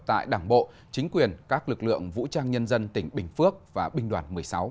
tại đảng bộ chính quyền các lực lượng vũ trang nhân dân tỉnh bình phước và binh đoàn một mươi sáu